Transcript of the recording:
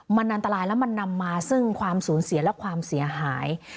มันอันตรายแล้วมันนำมาซึ่งความสูญเสียและความเสียหาย